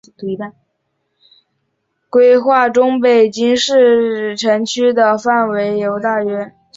规划中北京市城区的范围由大约北京四环路以内的中心城区和十个边缘集团组成。